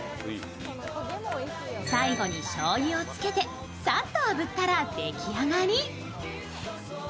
最後にしょうゆをつけて、さっとあぶったら、出来上がり。